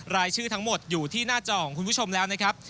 รายชื่อทั้งหมดอยู่ที่หน้าจอของคุณผู้ชมแล้วนะครับ